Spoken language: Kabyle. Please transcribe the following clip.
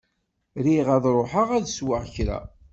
Riɣ ad ṛuḥeɣ ad sweɣ kra.